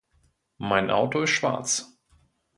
Mein Auto ist schwarz.